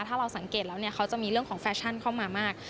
ถ้าเราสังเกตแล้วเนี่ยเขาจะมีเรื่องของแฟชั่นเข้ามามาก